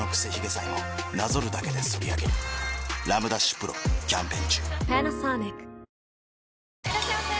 丕劭蓮キャンペーン中いらっしゃいませ！